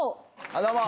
どうも。